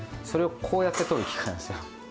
それをこうやって取る機械なんですよ。